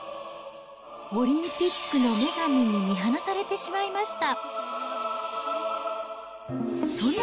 オリンピックの女神に見放されてしまいました。